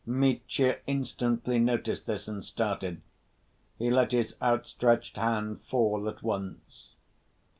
Mitya instantly noticed this, and started. He let his outstretched hand fall at once.